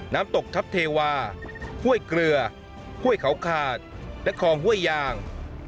น้ำตกทัพเทวาห้วยเกลือห้วยเขาขาดและคลองห้วยยาง